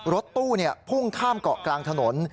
รถตู้พุ่งข้ามเกาะกลางถนน